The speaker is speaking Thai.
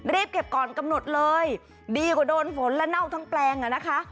เก็บก่อนกำหนดเลยดีกว่าโดนฝนและเน่าทั้งแปลงอ่ะนะคะ